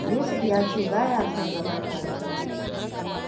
Yusuf ya ce ba ya son zama tare da mu.